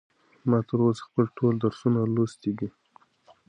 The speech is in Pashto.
ما تر اوسه خپل ټول درسونه لوستي دي.